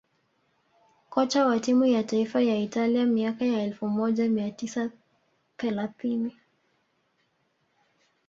kocha wa timu ya taifa ya Italia miaka ya elfu moja mia tisa thelathini